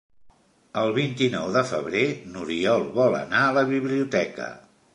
El vint-i-nou de febrer n'Oriol vol anar a la biblioteca.